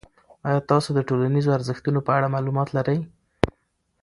آیا تاسو د ټولنیزو ارزښتونو په اړه معلومات لرئ؟